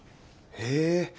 へえ。